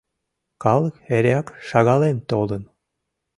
Калык эреак шагалем толын.